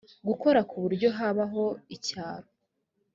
gukora ku buryo habaho icyaro